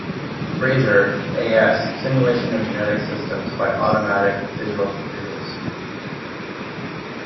Fraser, A. S., Simulation of genetic systems by automatic digital computers.